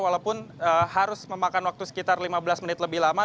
walaupun harus memakan waktu sekitar lima belas menit lebih lama